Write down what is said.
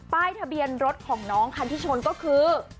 ทะเบียนรถของน้องคันที่ชนก็คือ